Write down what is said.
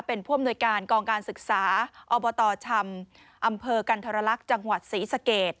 เป็นผู้อำนวยการกองการศึกษาอชกันธรรลักษณ์จังหวัดศรีสเกต